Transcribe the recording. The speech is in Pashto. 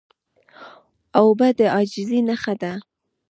اوبه د عاجزۍ نښه ده.